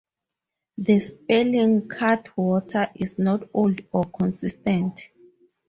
The spelling 'Cattewater' is not old or consistent.